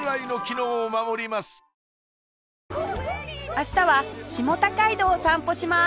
明日は下高井戸を散歩します